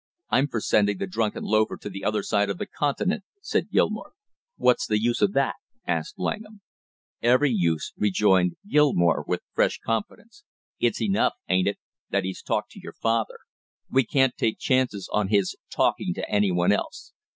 "I'm for sending the drunken loafer to the other side of the continent," said Gilmore. "What's the use of that?" asked Langham dully. "Every use," rejoined Gilmore with fresh confidence. "It's enough, ain't it, that he's talked to your father; we can't take chances on his talking to any one else.